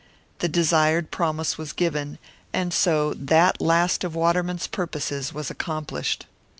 The desired promise was given; and so that last of Waterman's purposes was accomplished.